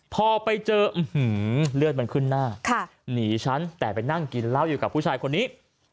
พอไปเจอเลือดมันขึ้นหน้าหนีฉันแต่ไปนั่งกินเหล้าอยู่กับผู้ชายคนนี้